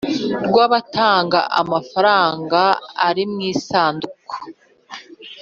rwabatanga amafaranga ari mwisanduku